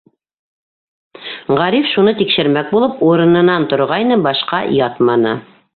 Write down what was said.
Ғариф шуны тикшермәк булып урынынан торғайны, башҡа ятманы.